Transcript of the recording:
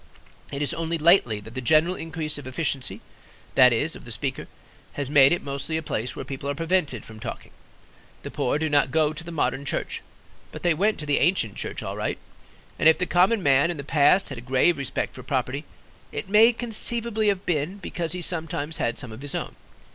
It is only lately that the general increase of efficiency, that is, of the Speaker, has made it mostly a place where people are prevented from talking. The poor do not go to the modern church, but they went to the ancient church all right; and if the common man in the past had a grave respect for property, it may conceivably have been because he sometimes had some of his own.